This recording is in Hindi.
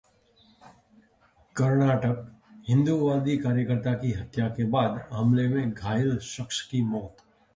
कर्नाटक: हिंदुवादी कार्यकर्ता की हत्या के बाद हमले में घायल शख्स की मौत